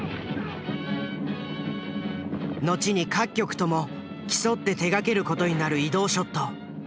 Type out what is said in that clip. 後に各局とも競って手がける事になる移動ショット。